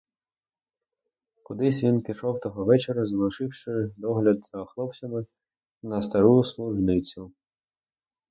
Кудись він пішов того вечора, залишивши догляд за хлопцями на стару служницю.